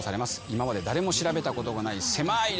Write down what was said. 今まで誰も調べたことがないせまい